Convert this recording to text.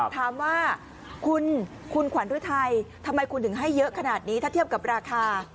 ถามว่าคุณขวัญฤทัยทำไมคุณถึงให้เยอะขนาดนี้ถ้าเทียบกับราคา